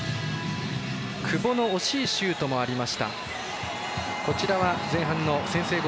久保の惜しいシュートもありました。